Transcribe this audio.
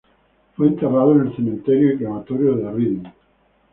Fue enterrada en el Cementerio y Crematorio de Reading.